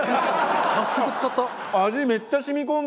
早速使った。